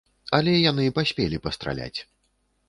Але яны паспелі пастраляць.